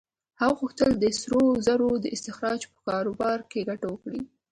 هغه غوښتل د سرو زرو د استخراج په کاروبار کې ګټه وکړي.